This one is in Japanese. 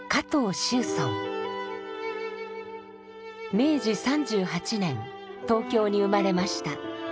明治３８年東京に生まれました。